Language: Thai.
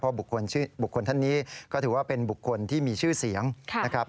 บุคคลท่านนี้ก็ถือว่าเป็นบุคคลที่มีชื่อเสียงนะครับ